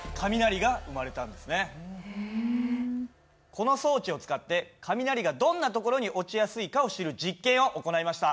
この装置を使って雷がどんな所に落ちやすいかを知る実験を行いました。